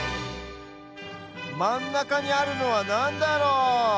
まんなかにあるのはなんだろ？